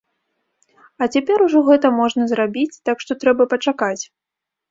А цяпер ужо гэта можна зрабіць, так што, трэба пачакаць.